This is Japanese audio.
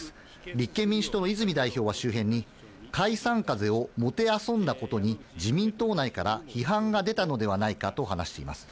立憲民主党の泉代表は周辺に、解散風をもてあそんだことに、自民党内から批判が出たのではないかと話しています。